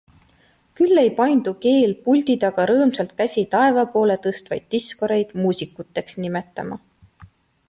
Küll ei paindu keel puldi taga rõõmsalt käsi taeva poole tõstvaid diskoreid muusikuteks nimetama.